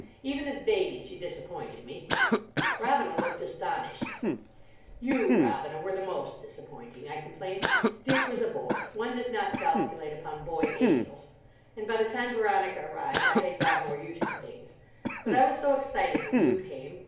Even as babies you disappointed me." Robina looked astonished. "You, Robina, were the most disappointing," I complained. "Dick was a boy. One does not calculate upon boy angels; and by the time Veronica arrived I had got more used to things. But I was so excited when you came.